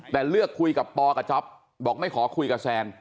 แต่เลือกคุยกับปอกับจ๊อปบอกไม่ขอคุยกับแซน